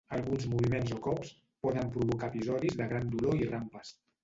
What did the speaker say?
Alguns moviments o cops poden provocar episodis de gran dolor i rampes.